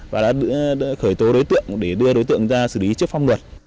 và đã khởi tố đối tượng để đưa đối tượng ra xử lý trước pháp luật